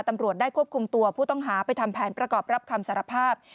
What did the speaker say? ตำรวจได้ควบคุมตัวผู้ต้องหาไปทำแผนประกอบรับคำสารภาพ